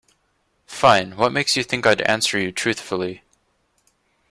Fine, what makes you think I'd answer you truthfully?